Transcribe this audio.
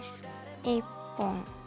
１本。